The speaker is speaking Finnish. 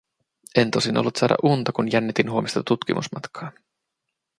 En tosin ollut saada unta, kun jännitin huomista tutkimusmatkaa.